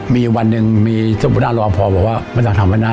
มีวันหนึ่งมีเจ้าผู้น่ารอพอบอกว่ามาสั่งถามบ้านหน้า